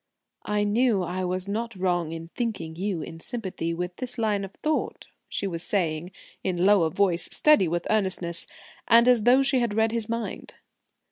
"I knew I was not wrong in thinking you in sympathy with this line of thought," she was saying in lower voice, steady with earnestness, and as though she had read his mind.